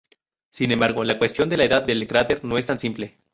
Sin embargo, la cuestión de la edad del cráter no es tan simple.